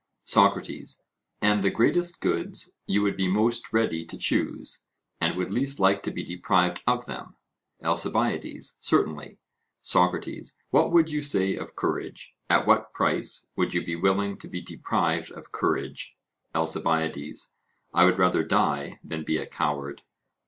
SOCRATES: And the greatest goods you would be most ready to choose, and would least like to be deprived of them? ALCIBIADES: Certainly. SOCRATES: What would you say of courage? At what price would you be willing to be deprived of courage? ALCIBIADES: I would rather die than be a coward.